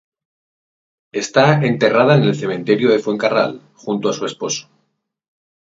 Está enterrada en el Cementerio de Fuencarral, junto a su esposo.